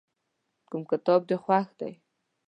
کوم کتاب دې خوښ دی؟